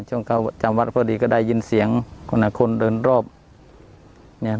ช่วงเขาจำวัดพอดีก็ได้ยินเสียงคนละคนเดินรอบเนี่ย